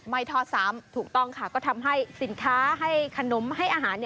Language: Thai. ไม่ทอดซ้ำถูกต้องค่ะก็ทำให้สินค้าให้ขนมให้อาหาร